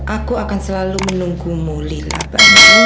aku akan selalu menunggumu lilapa